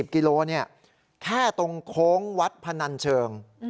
๒๐กิโลเนี่ยแค่ตรงโค้งวัดพะนันเชิง